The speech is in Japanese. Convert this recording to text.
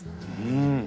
うん。